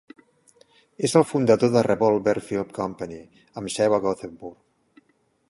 És el fundador de Revolver Film Company, amb seu a Gothenburg.